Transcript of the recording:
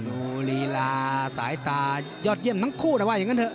ลีลาสายตายอดเยี่ยมทั้งคู่นะว่าอย่างนั้นเถ